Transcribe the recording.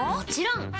ん？